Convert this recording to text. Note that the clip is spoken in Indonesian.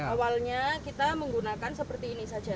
awalnya kita menggunakan seperti ini saja